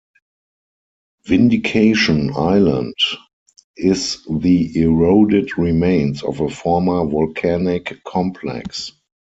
Vindication Island is the eroded remains of a former volcanic complex.